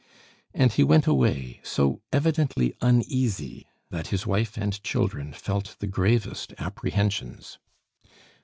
And he went away, so evidently uneasy, that his wife and children felt the gravest apprehensions.